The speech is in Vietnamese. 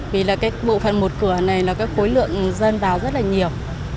vì bộ phận một cửa này là khối lượng dân vào rất là nhiều